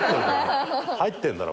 入ってるだろ！